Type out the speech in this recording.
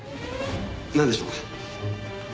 なんでしょうか？